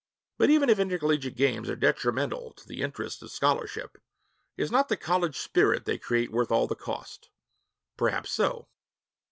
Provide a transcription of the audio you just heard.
V But even if intercollegiate games are detrimental to the interests of scholarship, is not the college spirit they create worth all they cost? Perhaps so.